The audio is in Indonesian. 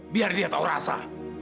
biar dia tahu rasa